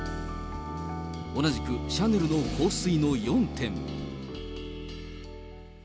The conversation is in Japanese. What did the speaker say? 同じくシャネルの香水の４点。